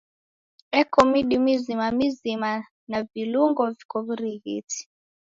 Eko midi mizima mizima na vilungo viko na w'urighiti.